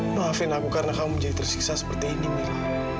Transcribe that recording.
maafin aku karena kamu jadi tersiksa seperti ini mila